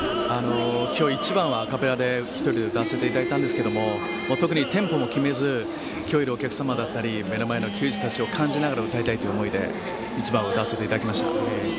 今日１番はアカペラで１人で歌わさせていただいたんですけれど特にテンポも決めず今日いるお客様だったり目の前の球児たちを感じながら歌いたいという思いで１番は歌わせていただきました。